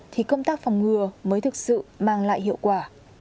thì công tác phòng ngừa mới thực sự mang lại hiệu quả